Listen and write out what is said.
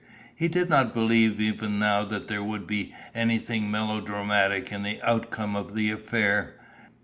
He did not believe even now that there would be anything melodramatic in the outcome of the affair.